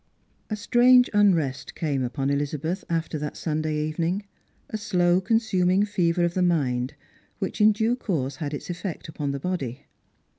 A STUANGE unrest came Tipon Elizabeth after that Sunday evening, a slow consuming fever of the mind, which in due course had its effect upon the body.